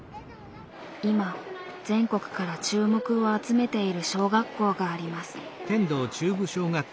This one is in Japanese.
今全国から注目を集めている小学校があります。